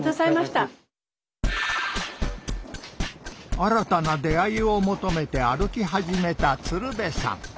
新たな出会いを求めて歩き始めた鶴瓶さん。